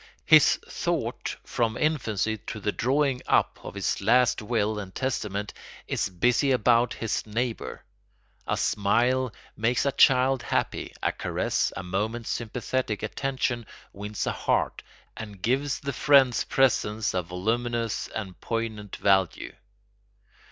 His thought, from infancy to the drawing up of his last will and testament, is busy about his neighbour. A smile makes a child happy; a caress, a moment's sympathetic attention, wins a heart and gives the friend's presence a voluminous and poignant value.